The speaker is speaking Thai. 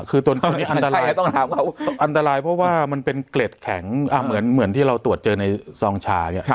คือตอนนี้อันตรายต้องถามเขาอันตรายเพราะว่ามันเป็นเกร็ดแข็งเหมือนที่เราตรวจเจอในซองชาเนี่ย